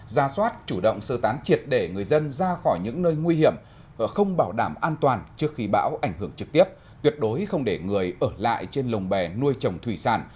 ra soát chủ động sơ tán triệt để người dân ra khỏi những nơi nguy hiểm không bảo đảm an toàn trước khi bão ảnh hưởng trực tiếp tuyệt đối không để người ở lại trên lồng bè nuôi trồng thủy sản